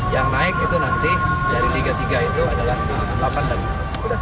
yang naik itu nanti dari liga tiga itu adalah delapan dan tiga